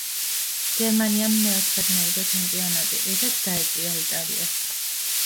გერმანიამ მეოთხედ მოიგო ჩემპიონატი, რითაც დაეწია იტალიას.